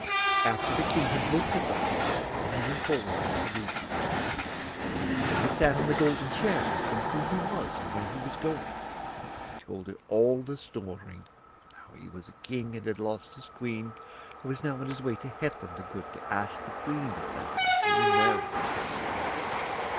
After the King had looked at them for a little he went forward and saluted them. The one that sat on the golden chair asked him who he was and where he was going; and he told her all the story how he was a king, and had lost his queen, and was now on his way to Hetland the Good, to ask the Queen of that country in marriage.